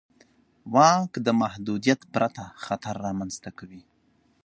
واک د محدودیت پرته خطر رامنځته کوي.